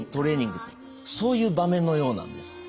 そういう場面のようなんです。